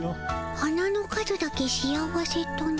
花の数だけ幸せとな。